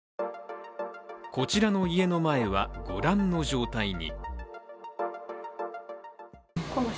こちらの家の前はご覧の状態に。